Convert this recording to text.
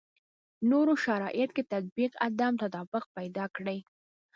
نورو شرایطو کې تطبیق عدم تطابق پیدا کړي.